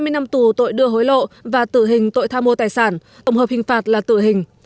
hai mươi năm tù tội đưa hối lộ và tự hình tội tha mua tài sản tổng hợp hình phạt là tự hình